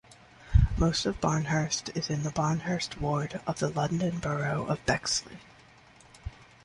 Most of Barnehurst is in the Barnehurst ward of the London Borough of Bexley.